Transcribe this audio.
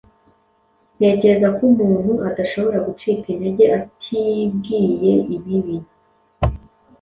ntekereza ko umuntu adashobora gucika intege atibwiye ibibi